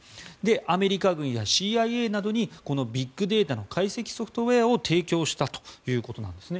アメリカ軍やＣＩＡなどにビッグデータの解析ソフトウェアを提供したということなんですね。